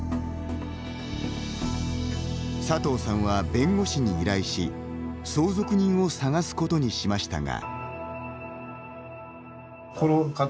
佐藤さんは弁護士に依頼し相続人を探すことにしましたが。